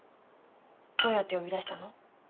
どうやって呼び出したの？